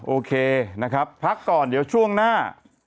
โอเคนะครับพักก่อนเดี๋ยวช่วงหน้า